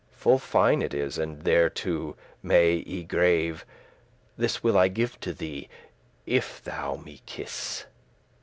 Full fine it is, and thereto well y grave*: *engraved This will I give to thee, if thou me kiss."